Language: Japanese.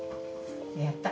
やった。